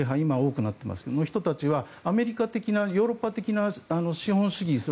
今、多くなっていますがその人たちは、アメリカ的なヨーロッパ的な資本主義